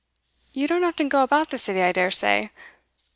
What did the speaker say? You don't often go about the City, I daresay.